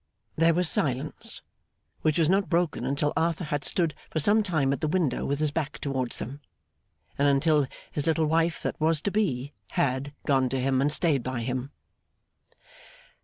There was silence, which was not broken until Arthur had stood for some time at the window with his back towards them, and until his little wife that was to be had gone to him and stayed by him.